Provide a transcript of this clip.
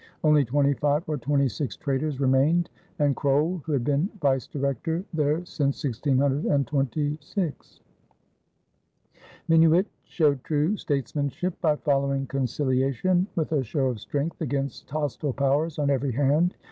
Only twenty five or twenty six traders remained and Krol, who had been vice director there since 1626. Minuit showed true statesmanship by following conciliation with a show of strength against hostile powers on every hand.